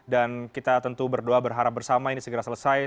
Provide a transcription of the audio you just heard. dan kita tentu berdoa berharap bersama ini segera selesai